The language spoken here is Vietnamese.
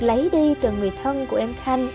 lấy đi từ người thân của em khanh